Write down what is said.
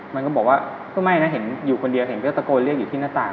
มันก็บอกว่าก็ไม่นะเห็นอยู่คนเดียวเห็นก็ตะโกนเรียกอยู่ที่หน้าต่าง